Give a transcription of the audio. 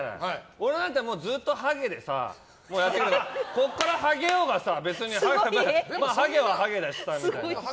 俺なんてずっとハゲでやってるからここからハゲようが別にハゲはハゲだしさ。